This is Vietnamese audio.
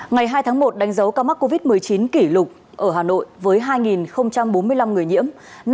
ngày hai tháng một đánh dấu ca mắc covid một mươi chín kỷ lục ở hà nội với hai bốn mươi năm người nhiễm